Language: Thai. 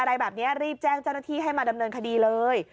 อะไรแบบนี้รีบแจ้งเจ้าหน้าที่ให้มาดำเนินคดีเลย